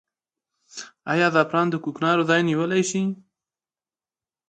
آیا زعفران د کوکنارو ځای نیولی شي؟